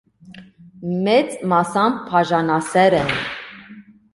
Մեծ մասամբ բաժանասեռ են։